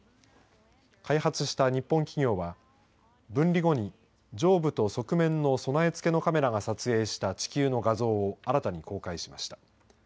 開発した日本企業は分離後に上部と側面の備え付けのカメラが撮影した地球の画像を新たに公開しました。